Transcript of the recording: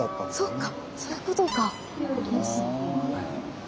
そっかそういうことか。